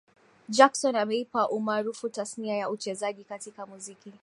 Jackson ameipa umaarufu tasnia ya uchezaji katika muziki